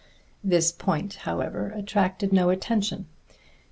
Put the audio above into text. This point, however, attracted no attention.